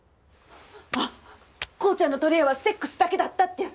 あっ紘ちゃんの取りえはセックスだけだったってやつ？